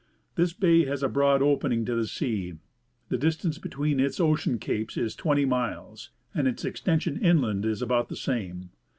This bay has a broad opening to the sea ; the distance between its ocean capes is twenty miles, and its extension inland is about the same.